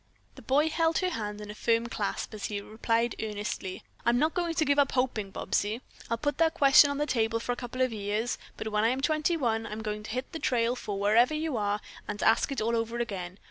The boy held her hand in a firm clasp as he replied earnestly, "I'm not going to give up hoping, Bobsie. I'll put that question on the table for a couple of years, but, when I am twenty one, I'm going to hit the trail for wherever you are, and ask it all over again.